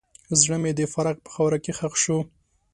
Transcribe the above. زړه مې د فراق په خاوره کې ښخ شو.